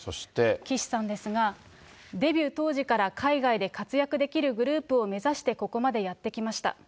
岸さんですが、デビュー当時から海外で活躍できるグループを目指して、ここまでやってきました。